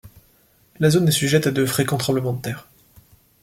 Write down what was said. La zone est sujette à de fréquents tremblements de terre.